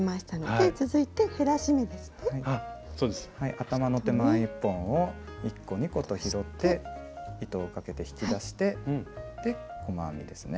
頭の手前１本を１個２個と拾って糸をかけて引き出して細編みですね